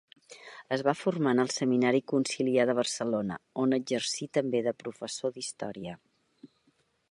Es va formar en el Seminari Conciliar de Barcelona on exercí també de professor d'història.